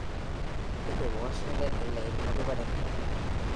இது வாஷிங்டன் எல்லையில் முடிவடைகிறது.